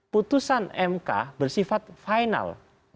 putusan mk bersifat final